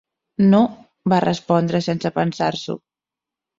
"No", va respondre sense pensar-s'ho.